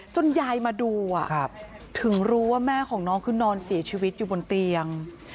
ยายมาดูถึงรู้ว่าแม่ของน้องคือนอนเสียชีวิตอยู่บนเตียง